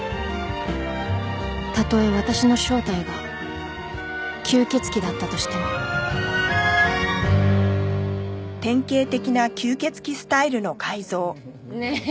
たとえ私の正体が吸血鬼だったとしてもねえ